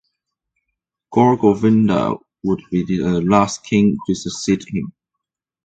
Gour Govinda would be the last king to succeed him.